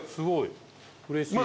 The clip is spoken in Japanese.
うれしい。